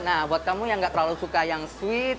nah buat kamu yang nggak terlalu suka yang sweet